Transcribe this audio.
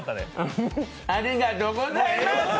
ありがとうございます。